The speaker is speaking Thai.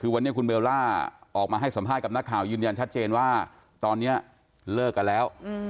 คือวันนี้คุณเบลล่าออกมาให้สัมภาษณ์กับนักข่าวยืนยันชัดเจนว่าตอนนี้เลิกกันแล้ว